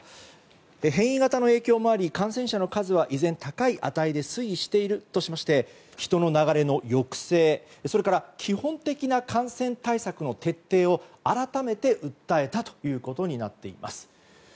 変異型の影響もあり感染者の数は依然、高い値で推移しているとしまして人の流れの抑制基本的な感染対策の徹底を改めて訴えたということになっています。